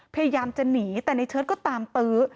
พยายามจะหนีแต่ในเชิดก็ตามตื้อ